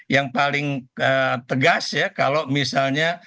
yang paling tegas ya kalau misalnya